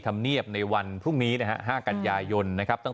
ผมอยากจะให้เขียนออกมาได้ก่อนนะครับ